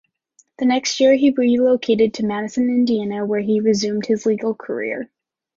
The next year, he relocated to Madison, Indiana, where he resumed his legal career.